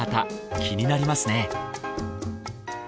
気になりますね